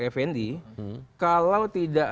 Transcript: effendi kalau tidak